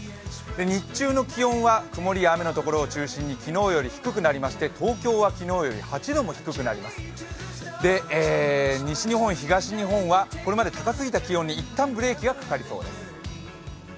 日中の気温は曇りや雨のところを中心に昨日よりも低くなりまして東京は昨日より８度も低くなります西日本、東日本はこれまで高すぎた気温に一旦、ブレーキがかかりそうです。